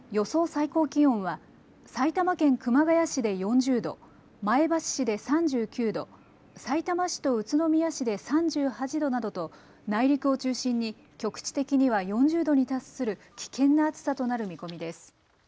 最高気温は埼玉県熊谷市で４０度、前橋市で３９度、さいたま市と宇都宮市で３８度などと内陸を中心に局地的には４０度に達する危険な暑さとなる見込みです。